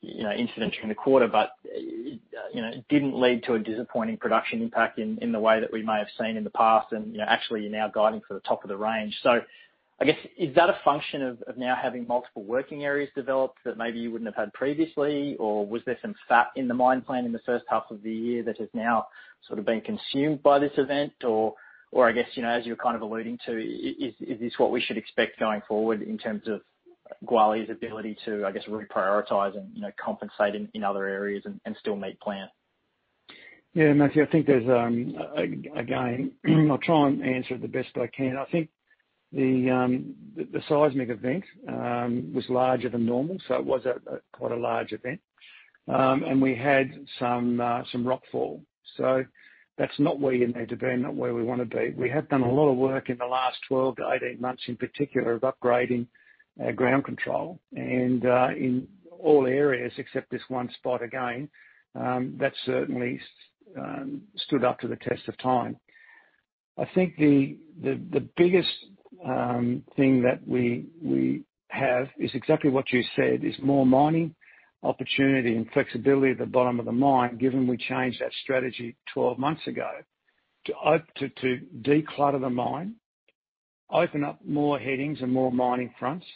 you know, incident during the quarter. You know, it didn't lead to a disappointing production impact in the way that we may have seen in the past. You know, actually, you're now guiding for the top of the range. I guess, is that a function of now having multiple working areas developed that maybe you wouldn't have had previously? Was there some fat in the mine plan in the H1 of the year that has now sort of been consumed by this event? I guess, you know, as you're kind of alluding to, is this what we should expect going forward in terms of Gwalia's ability to, I guess, reprioritize and, you know, compensate in other areas and still meet plan? Yeah, Matthew, I think there's again, I'll try and answer it the best I can. I think the seismic event was larger than normal, so it was quite a large event. We had some rockfall. So that's not where you need to be, not where we wanna be. We have done a lot of work in the last 12-18 months, in particular of upgrading ground control. In all areas except this one spot again, that's certainly stood up to the test of time. I think the biggest thing that we have is exactly what you said, is more mining opportunity and flexibility at the bottom of the mine, given we changed that strategy 12 months ago to declutter the mine, open up more headings and more mining fronts,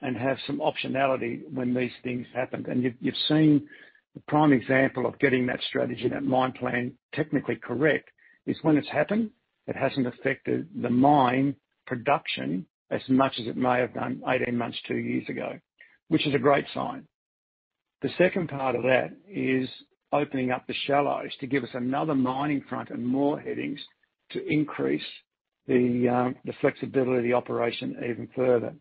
and have some optionality when these things happened. You've seen the prime example of getting that strategy, that mine plan technically correct, is when it's happened, it hasn't affected the mine production as much as it may have done 18 months, 2 years ago, which is a great sign. The second part of that is opening up the shallows to give us another mining front and more headings to increase the flexibility of the operation even further.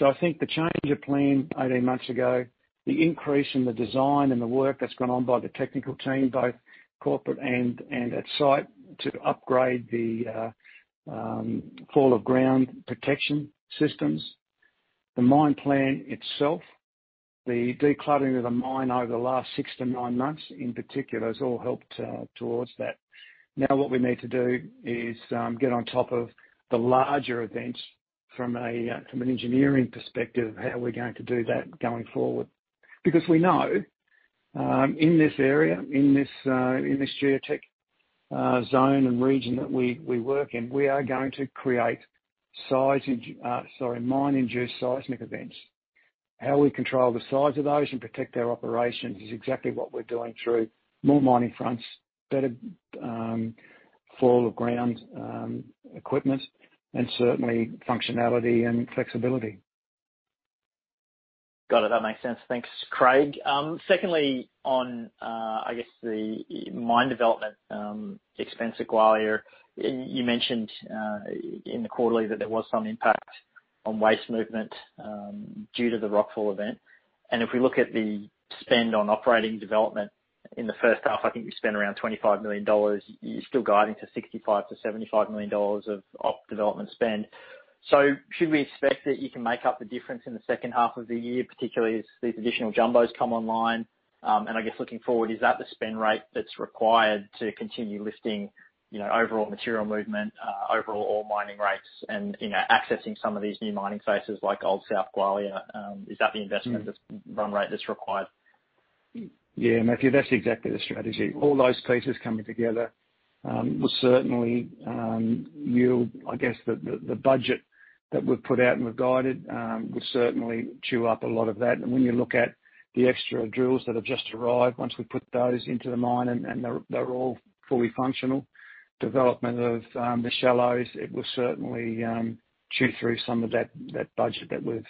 I think the change of plan 18 months ago, the increase in the design and the work that's gone on by the technical team, both corporate and at site, to upgrade the fall of ground protection systems. The mine plan itself, the decluttering of the mine over the last 6-9 months in particular, has all helped towards that. Now what we need to do is get on top of the larger events from an engineering perspective, how we're going to do that going forward. Because we know in this area, in this geotech zone and region that we work in, we are going to create mine-induced seismic events. How we control the size of those and protect our operations is exactly what we're doing through more mining fronts, better fall of ground, equipment, and certainly functionality and flexibility. Got it. That makes sense. Thanks, Craig. Secondly, on the mine development expense at Gwalia, you mentioned in the quarterly that there was some impact on waste movement due to the rockfall event. If we look at the spend on operating development in the H1, I think you spent around 25 million dollars. You're still guiding to 65 million to 75 million dollars of op development spend. Should we expect that you can make up the difference in the H2 of the year, particularly as these additional jumbos come online? I guess looking forward, is that the spend rate that's required to continue lifting, you know, overall material movement, overall ore mining rates and, you know, accessing some of these new mining spaces like Old South Gwalia? Is that the investment, this run rate that's required? Yeah, Matthew, that's exactly the strategy. All those pieces coming together will certainly yield. I guess the budget that we've put out and we've guided will certainly chew up a lot of that. When you look at the extra drills that have just arrived, once we put those into the mine and they're all fully functional, development of the shallows, it will certainly chew through some of that budget that we've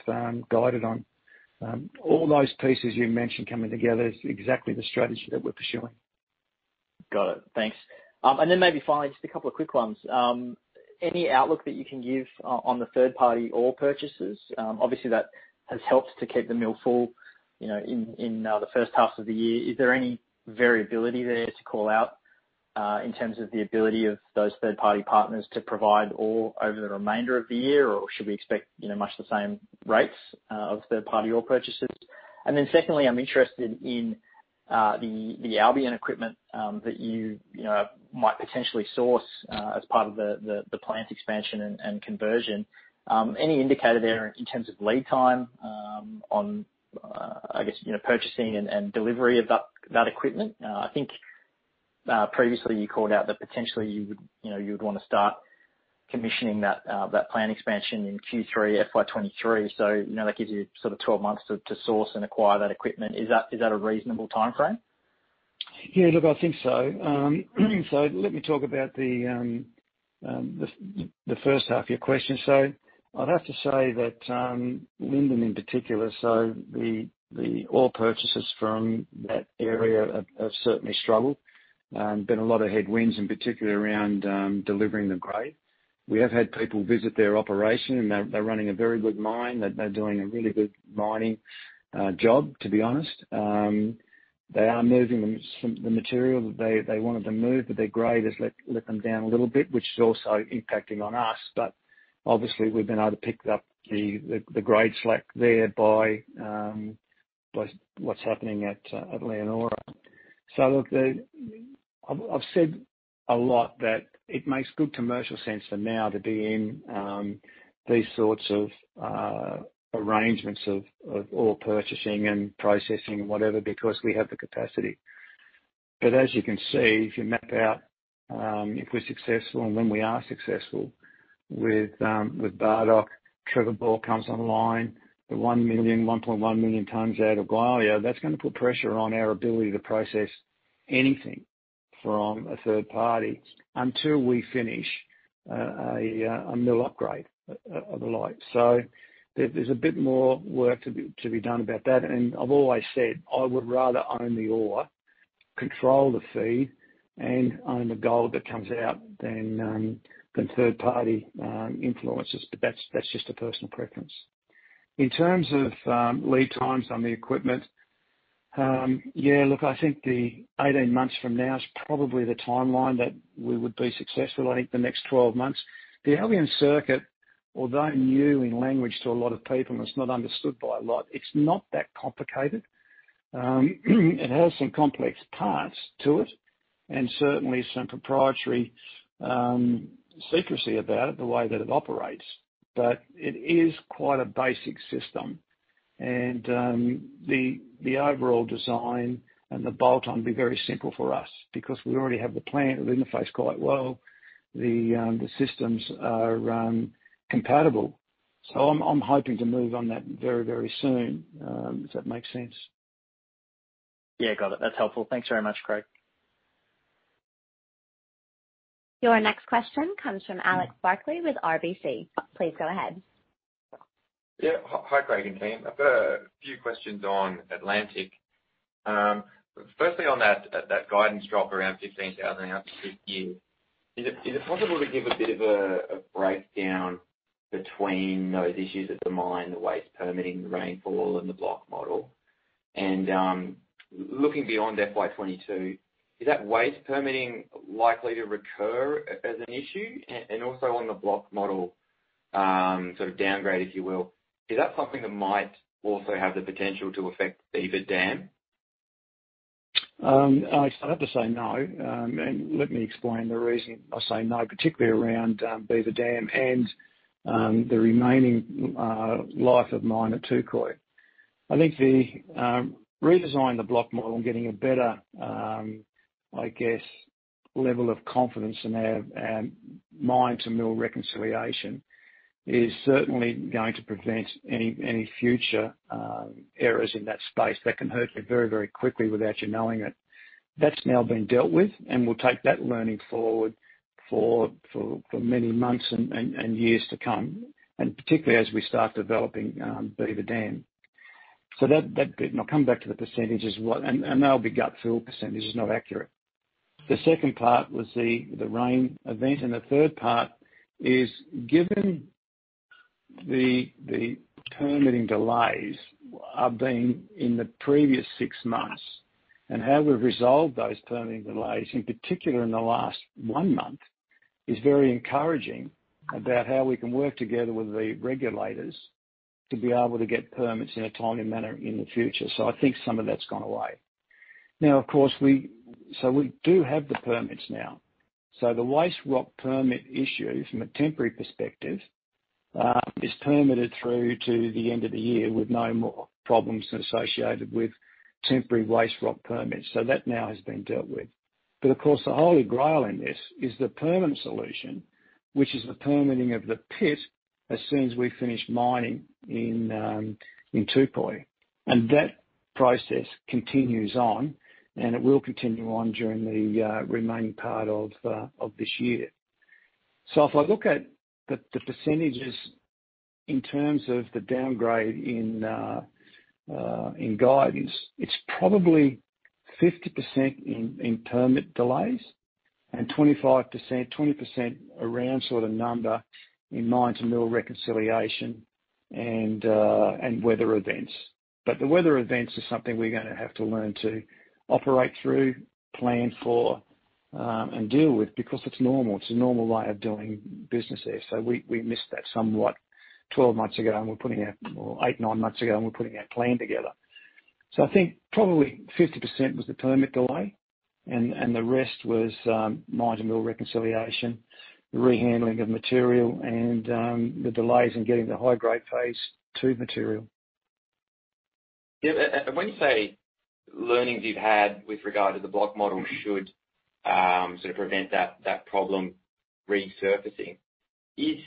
guided on. All those pieces you mentioned coming together is exactly the strategy that we're pursuing. Got it. Thanks. Maybe finally, just a couple of quick ones. Any outlook that you can give on the third-party ore purchases? Obviously that has helped to keep the mill full, you know, in the H1 of the year. Is there any variability there to call out in terms of the ability of those third-party partners to provide ore over the remainder of the year? Or should we expect, you know, much the same rates of third-party ore purchases? Secondly, I'm interested in the Albion equipment that you know, might potentially source as part of the plant expansion and conversion. Any indicator there in terms of lead time on, I guess, you know, purchasing and delivery of that equipment? I think previously you called out that potentially you would, you know, you would wanna start commissioning that plant expansion in Q3 FY 2023. You know, that gives you sort of 12 months to source and acquire that equipment. Is that a reasonable timeframe? Yeah, look, I think so. Let me talk about the H1 of your question. I'd have to say that Linden in particular, so the ore purchases from that area have certainly struggled. Been a lot of headwinds in particular around delivering the grade. We have had people visit their operation, and they're running a very good mine. They're doing a really good mining job, to be honest. They are moving the material that they wanted to move, but their grade has let them down a little bit, which is also impacting on us. But obviously we've been able to pick up the grade slack there by what's happening at Leonora. Look, the... I've said a lot that it makes good commercial sense for now to be in these sorts of arrangements of ore purchasing and processing and whatever because we have the capacity. As you can see, if you map out, if we're successful and when we are successful with Bardoc, Trevor Bore comes online, the 1 million, 1.1 million tons out of Gwalia, that's gonna put pressure on our ability to process anything from a third party until we finish a mill upgrade of the like. There, there's a bit more work to be done about that. I've always said, I would rather own the ore, control the feed, and own the gold that comes out than third-party influences. That's just a personal preference. In terms of lead times on the equipment, yeah, look, I think the 18 months from now is probably the timeline that we would be successful. I think the next 12 months. The Albion circuit, although new in language to a lot of people, and it's not understood by a lot, it's not that complicated. It has some complex parts to it, and certainly some proprietary secrecy about it, the way that it operates. It is quite a basic system. The overall design and the bolt-on will be very simple for us because we already have the plant. It'll interface quite well. The systems are compatible. I'm hoping to move on that very, very soon, if that makes sense. Yeah, got it. That's helpful. Thanks very much, Craig. Your next question comes from Alex Barkley with RBC. Please go ahead. Hi, Craig and team. I've got a few questions on Atlantic. Firstly, on that guidance drop around 15,000 after six years. Is it possible to give a bit of a breakdown between those issues at the mine, the waste permitting, the rainfall, and the block model? Looking beyond FY 2022, is that waste permitting likely to recur as an issue? Also on the block model, sort of downgrade, if you will, is that something that might also have the potential to affect Beaver Dam? I'd have to say no. Let me explain the reason I say no, particularly around Beaver Dam and the remaining life of mine at Touquoy. I think the redesign of the block model and getting a better, I guess, level of confidence in our mine-to-mill reconciliation is certainly going to prevent any future errors in that space that can hurt you very quickly without you knowing it. That's now been dealt with, and we'll take that learning forward for many months and years to come, and particularly as we start developing Beaver Dam. That bit. I'll come back to the percentages, and they'll be gut-feel percentages, not accurate. The second part was the rain event. The third part is, given the permitting delays have been in the previous six months, and how we've resolved those permitting delays, in particular in the last one month, is very encouraging about how we can work together with the regulators to be able to get permits in a timely manner in the future. I think some of that's gone away. Now, of course, we do have the permits now. The waste rock permit issue from a temporary perspective is permitted through to the end of the year with no more problems associated with temporary waste rock permits. That now has been dealt with. Of course, the Holy Grail in this is the permanent solution, which is the permitting of the pit as soon as we finish mining in Touquoy. That process continues on, and it will continue on during the remaining part of this year. If I look at the percentages in terms of the downgrade in guidance, it's probably 50% in permit delays and 25%, 20% around sort of number in mine-to-mill reconciliation and weather events. The weather events is something we're gonna have to learn to operate through, plan for, and deal with because it's normal. It's a normal way of doing business there. We missed that somewhat 12 months ago, or eight, nine months ago, and we're putting our plan together. I think probably 50% was the permit delay and the rest was mine-to-mill reconciliation, the rehandling of material, and the delays in getting the high-grade pays to material. Yeah. When you say learnings you've had with regard to the block model should sort of prevent that problem resurfacing, is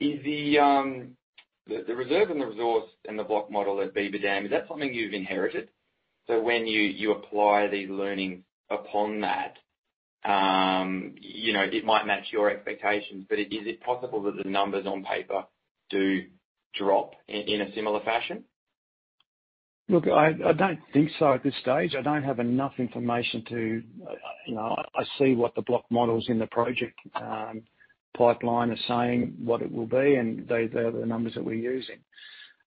the reserve and the resource in the block model at Beaver Dam something you've inherited? When you apply these learnings upon that, you know, it might match your expectations, but is it possible that the numbers on paper do drop in a similar fashion? Look, I don't think so at this stage. I don't have enough information to, you know. I see what the block models in the project pipeline are saying what it will be, and they're the numbers that we're using.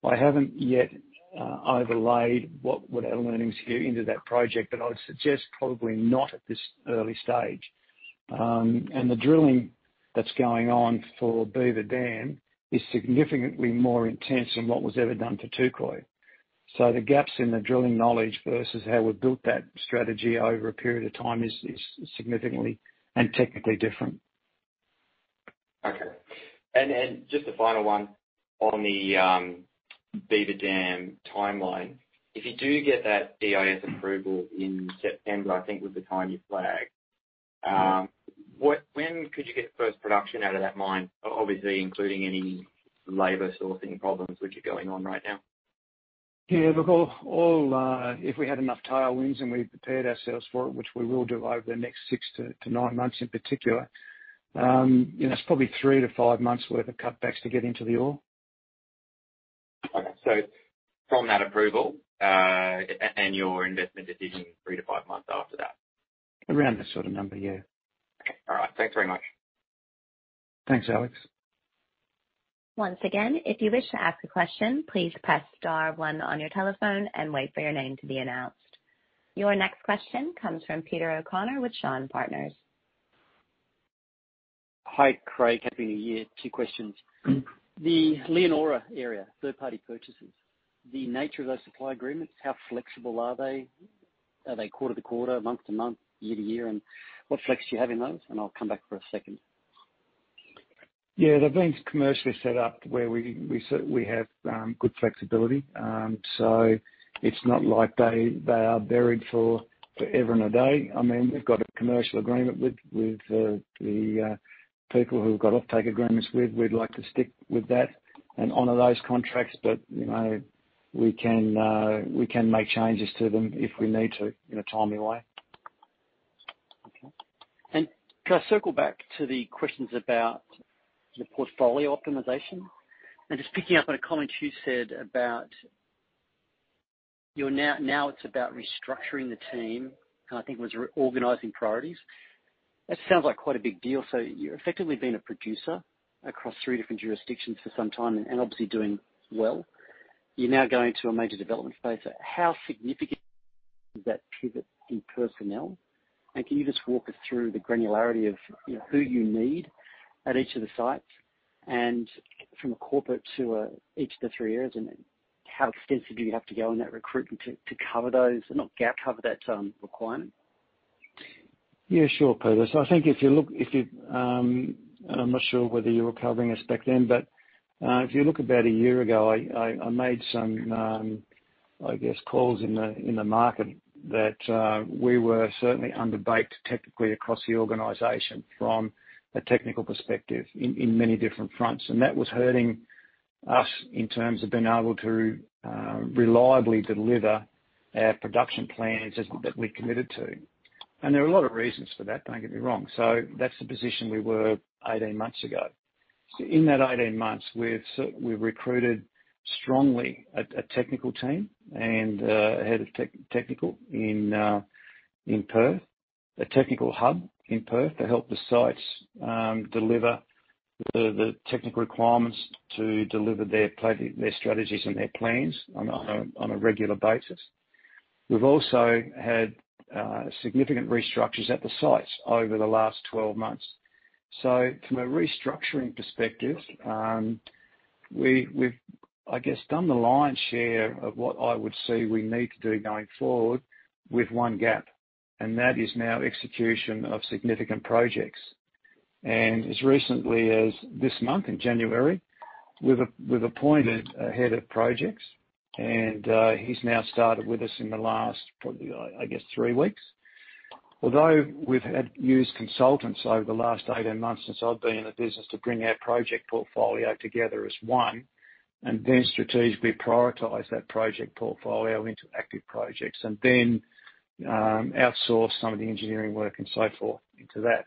I haven't yet overlaid what our learnings here into that project, but I'd suggest probably not at this early stage. The drilling that's going on for Beaver Dam is significantly more intense than what was ever done to Touquoy. The gaps in the drilling knowledge versus how we built that strategy over a period of time is significantly and technically different. Okay. Just a final one on the Beaver Dam timeline. If you do get that EIS approval in September, I think was the time you flagged, when could you get first production out of that mine? Obviously including any labor sourcing problems which are going on right now. Yeah, look, all. If we had enough tailwinds and we prepared ourselves for it, which we will do over the next six to nine months in particular, you know, it's probably three to five months worth of cutbacks to get into the ore. Okay. From that approval, and your investment decision 3-5 months after that? Around that sort of number, yeah. Okay. All right. Thanks very much. Thanks, Alex. Once again, if you wish to ask a question, please press star one on your telephone and wait for your name to be announced. Your next question comes from Peter O'Connor with Shaw and Partners. Hi, Craig. Happy New Year. Two questions. Mm-hmm. The Leonora area, third-party purchases, the nature of those supply agreements, how flexible are they? Are they quarter to quarter, month to month, year to year? What flex do you have in those? I'll come back for a second. They've been commercially set up where we have good flexibility. So it's not like they are buried for forever and a day. I mean, we've got a commercial agreement with the people who we've got offtake agreements with. We'd like to stick with that and honor those contracts, but you know, we can make changes to them if we need to in a timely way. Okay. Can I circle back to the questions about the portfolio optimization? Just picking up on a comment you said about you're now it's about restructuring the team, and I think it was re-organizing priorities. That sounds like quite a big deal. You're effectively being a producer across three different jurisdictions for some time and obviously doing well. You're now going to a major development space. How significant is that pivot in personnel? Can you just walk us through the granularity of, you know, who you need at each of the sites and from a corporate to each of the three areas and how extensive do you have to go in that recruitment to cover those and cover that requirement? Yeah, sure, Peter. I think if you look. I'm not sure whether you were covering this back then, but if you look about a year ago, I made some I guess calls in the market that we were certainly underbaked technically across the organization from a technical perspective in many different fronts. That was hurting us in terms of being able to reliably deliver our production plans as that we'd committed to. There are a lot of reasons for that, don't get me wrong. That's the position we were 18 months ago. In that 18 months, we've recruited strongly a technical team and a head of technical in Perth. A technical hub in Perth to help the sites deliver the technical requirements to deliver their strategies and their plans on a regular basis. We've also had significant restructures at the sites over the last 12 months. From a restructuring perspective, we've done the lion's share of what I would say we need to do going forward with one gap, and that is now execution of significant projects. As recently as this month, in January, we've appointed a head of projects, and he's now started with us in the last probably, I guess, three weeks. Although we've had used consultants over the last 18 months since I've been in the business to bring our project portfolio together as one and then strategically prioritize that project portfolio into active projects and then outsource some of the engineering work and so forth into that.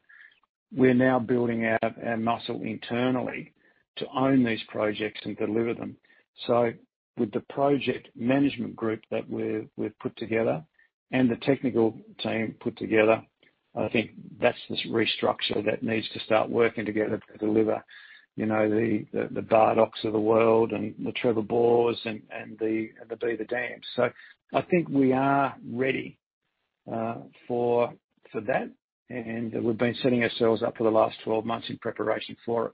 We're now building out our muscle internally to own these projects and deliver them. With the project management group that we've put together and the technical team put together, I think that's the restructure that needs to start working together to deliver, you know, the Bardoc's of the world and the Trevor Bore's and the Beaver Dam's. I think we are ready for that, and we've been setting ourselves up for the last 12 months in preparation for it.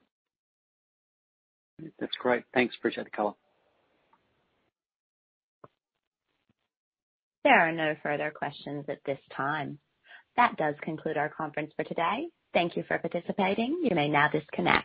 That's great. Thanks. Appreciate the call. There are no further questions at this time. That does conclude our conference for today. Thank you for participating. You may now disconnect.